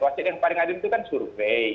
wasit yang paling hadir itu kan survei